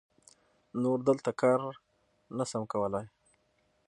نور دلته کار نه سم کولای.